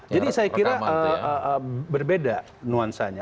jadi saya kira berbeda nuansanya